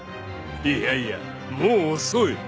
［いやいやもう遅い！］